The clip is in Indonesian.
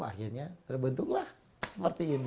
akhirnya terbentuklah seperti ini